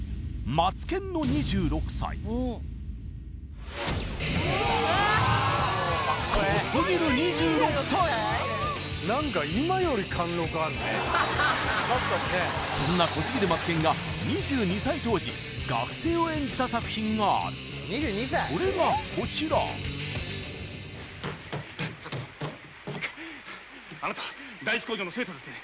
マツケンの２６歳何かそんな濃すぎるマツケンが２２歳当時学生を演じた作品があるそれがこちらあなた第一皇女の生徒ですね？